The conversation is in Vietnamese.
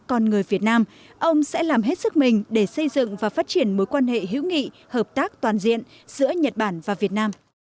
con người việt nam ông sẽ làm hết sức mình để xây dựng và phát triển mối quan hệ hữu nghị hợp tác toàn diện giữa nhật bản và việt nam